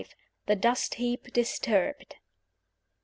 THE DUST HEAP DISTURBED.